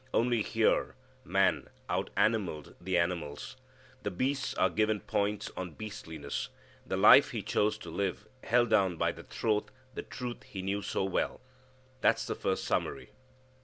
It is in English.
Only here man out animalled the animals. The beasts are given points on beastliness. The life he chose to live held down by the throat the truth he knew so well. That's the first summary.